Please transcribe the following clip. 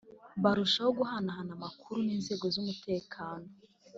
barushaho guhanahana amakuru n’inzego z’umutekano